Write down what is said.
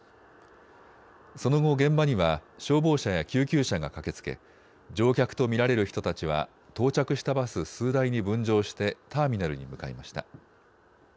その後、現場には消防車や救急車が駆けつけ乗客と見られる人たちは到着したバス数台に分乗してターミナルに向かいました。